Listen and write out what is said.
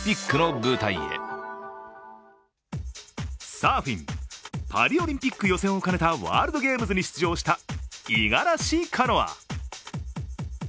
サーフィン、パリオリンピック予選をかけたワールドゲームズに出場した五十嵐カノア。